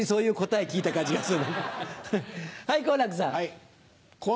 はい好楽さん。